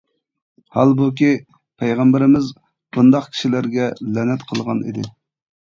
ھالبۇكى، پەيغەمبىرىمىز بۇنداق كىشىلەرگە لەنەت قىلغان ئىدى.